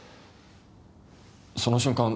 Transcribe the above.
その瞬間